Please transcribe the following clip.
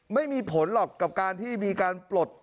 ไม่มีผลหรอกกับการที่มีการปลด